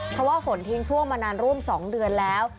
เพราะว่าฝนทิ้งช่วงมานานร่วม๒เดือนแล้ว